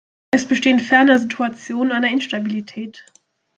Es bestehen ferner Situationen einer Instabilität.